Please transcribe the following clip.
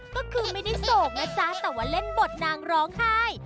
ก็คือไม่ได้โศกนะจ๊ะแต่ว่าเล่นบทนางร้องไห้